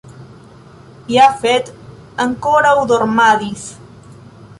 Jafet ankoraŭ dormadis.